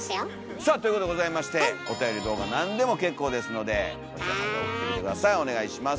さあということでございましておたより動画何でも結構ですのでこちらまで送って下さいお願いします。